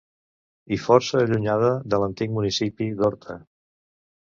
I força allunyada de l'antic municipi d'Horta.